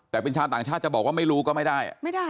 แต่เป็นชาวต่างชาติจะบอกว่าไม่รู้ก็ไม่ได้